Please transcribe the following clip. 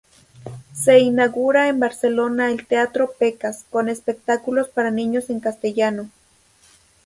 Se inaugura en Barcelona el teatro "Pecas", con espectáculos para niños en castellano.